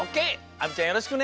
亜美ちゃんよろしくね！